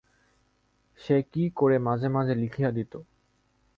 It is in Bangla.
সে কী করে, মাঝে মাঝে লিখিয়া দিত।